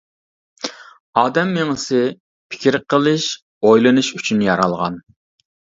ئادەم مېڭىسى پىكىر قىلىش، ئويلىنىش ئۈچۈن يارالغان.